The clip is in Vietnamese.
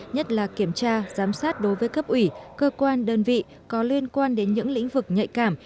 nhất là kiểm tra giám sát đối với cấp ủy cơ quan đơn vị có liên quan đến những lĩnh vực nhạy cảm